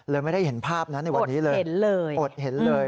เลยไม่ได้เห็นภาพนะในวันนี้เลยอดเห็นเลย